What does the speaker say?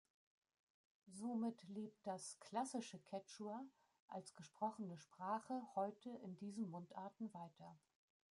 Somit lebt das „Klassische Quechua“ als gesprochene Sprache heute in diesen Mundarten weiter.